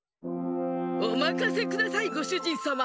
おまかせくださいごしゅじんさま。